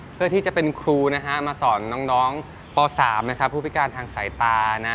เพื่อที่จะเป็นครูมาสอนน้องป๓ผู้พิการทางสายตานะ